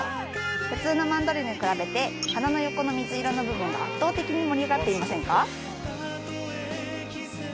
普通のマンドリルに比べて鼻の横の水色の部分が圧倒的に盛り上がっていませんか？